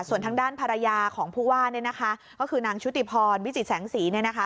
ส่วนทางด้านภรรยาของผู้ว่าคือนางชุติพรวิจิตแสงศรี